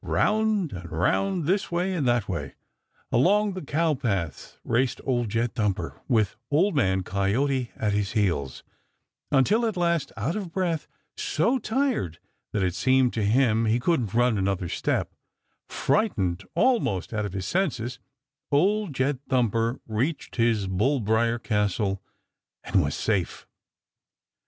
Round and round, this way and that way, along the cow paths raced Old Jed Thumper with Old Man Coyote at his heels, until at last, out of breath, so tired that it seemed to him he couldn't run another step, frightened almost out of his senses, Old Jed Thumper reached his bull briar castle and was safe.